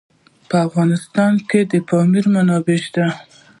په افغانستان کې د پامیر منابع شته.